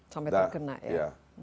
sampai terkena ya